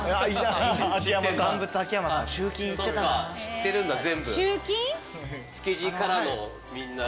そうか知ってるんだ全部。